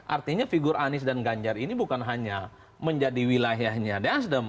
artinya figur anies dan ganjar ini bukan hanya menjadi wilayahnya nasdem